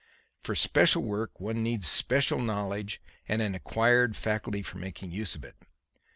For special work one needs special knowledge and an acquired faculty for making use of it.